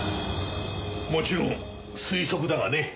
もちろん推測だがね。